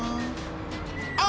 あ。